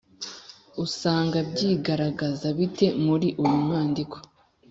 usanga byigaragaza bite muri uyu mwandiko?